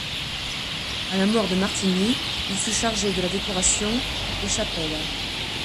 À la mort de Martini, il fut chargé de la décoration des chapelles.